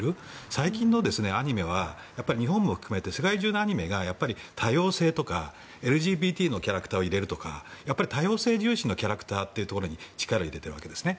最近のアニメは日本も含めて世界中のアニメが多様性とかＬＧＢＴのキャラクターを入れるとか多様性重視のキャラクターというところに力を入れているわけですね。